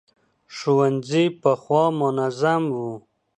ښوونځي پخوا منظم وو.